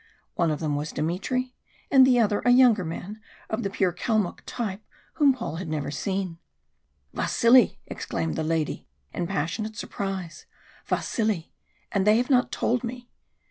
One of them was Dmitry, and the other a younger man of the pure Kalmuck type whom Paul had never seen. "Vasili!" exclaimed the lady, in passionate surprise. "Vasili! and they have not told me!"